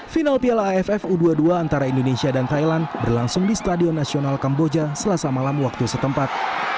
final piala aff u dua puluh dua antara indonesia dan thailand berlangsung di stadion nasional kamboja selasa malam waktu setempat